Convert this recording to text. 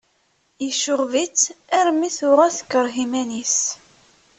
Yecɣeb-itt armi tuɣal tekreh iman-is.